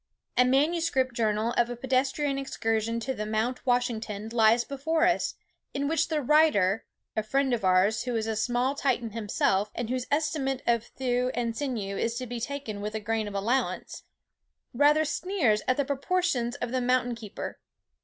A manuscript journal of a pedestrian excursion to Mount Washington lies before us, in which the writer (a friend of ours, who is a small Titan himself, and whose estimate of thewe and sinew is to be taken with a grain of allowance) rather sneers at the proportions of the mountain keeper.